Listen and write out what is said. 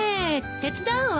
手伝うわ。